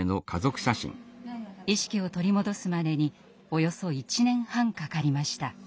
意識を取り戻すまでにおよそ１年半かかりました。